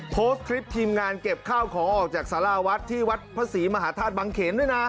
โพสต์คลิปทีมงานเก็บข้าวของออกจากสาราวัดที่วัดพระศรีมหาธาตุบังเขนด้วยนะ